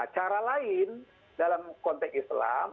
cara lain dalam konteks islam